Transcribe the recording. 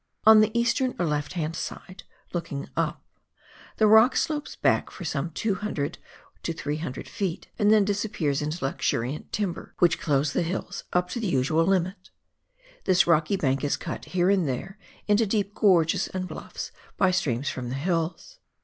On the eastern or left hand side (looking up), the rock slopes back for some 200 or 300 ft., and then disappears into luxuriant timber, which clothes the hills up to the usual limit. This rocky bank is cut, here and there, into deep gorges and bluffs by streams from the hills.